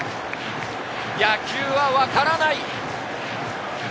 野球はわからない。